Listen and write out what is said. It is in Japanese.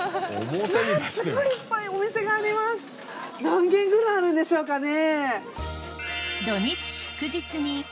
何軒ぐらいあるんでしょうかね？